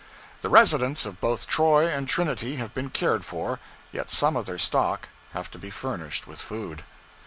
The residents of both Troy and Trinity have been cared for, yet some of their stock have to be furnished with food.